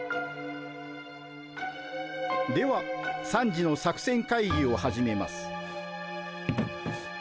では３時の作戦会議を始めます。